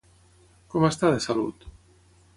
Com està de salut?